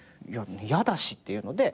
嫌だしっていうので。